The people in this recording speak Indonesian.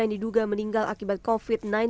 yang diduga meninggal akibat covid sembilan belas